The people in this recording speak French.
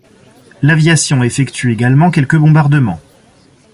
L'aviation effectue également quelques bombardements.